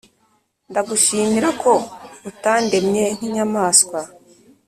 Ndagushimira ko utandemye nkinyamaswa